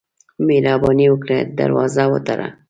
مهرباني وکړه، دروازه وتړه.